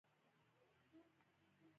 خلکو سره خبرې کوئ؟